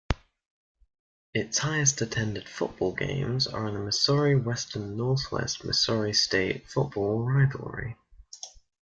Its highest attended football games are in the Missouri Western-Northwest Missouri State football rivalry.